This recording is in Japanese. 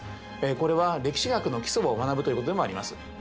これは歴史学の基礎を学ぶということでもあります。